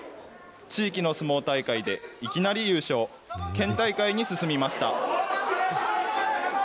地域の相撲大会で、いきなり優勝、県大会に進みました。